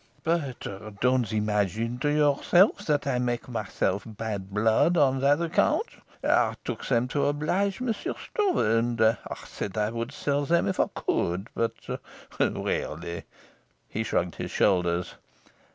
"But don't imagine to yourself that I make myself bad blood on that account. I took them to oblige Monsieur Stroeve, and I said I would sell them if I could. But really " He shrugged his shoulders.